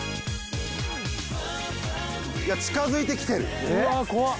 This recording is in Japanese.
いや近づいてきてるえっ？